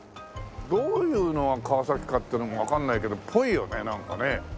どういうのが川崎かっていうのもわかんないけどぽいよねなんかね